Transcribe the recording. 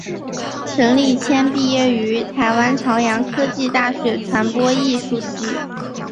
陈立谦毕业于台湾朝阳科技大学传播艺术系。